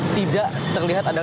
tidak terlihat ada